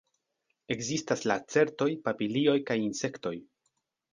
Ekzistas lacertoj, papilioj kaj insektoj.